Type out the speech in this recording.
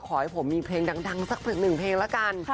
ขอให้ผมมีเพลงดังสักผึกหนึ่งเพลงละกัน